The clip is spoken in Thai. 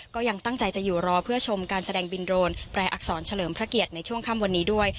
ก็ยังตั้งใจจะอยู่รอเพื่อชมการแสดงบินโรนแปรอักษรเฉลิมพระเกียรติในช่วงค่ำวันนี้ด้วย